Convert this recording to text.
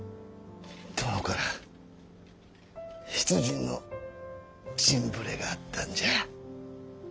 殿から出陣の陣触れがあったんじゃ。